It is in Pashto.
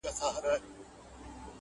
که پر در دي د یار دغه سوال قبلېږي